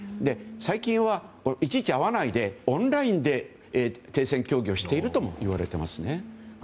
最近は、いちいち会わないでオンラインで停戦協議をしているともいわれていますね。